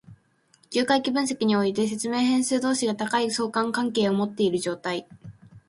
重回帰分析において、説明変数同士が高い相関関係を持っている状態。